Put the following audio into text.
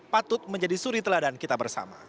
patut menjadi suri teladan kita bersama